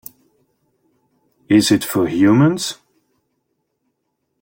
Is it for humans?